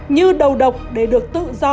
như đầu độc để được tự do